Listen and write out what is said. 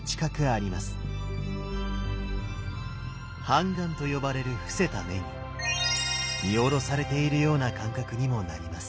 半眼と呼ばれる伏せた目に見下ろされているような感覚にもなります。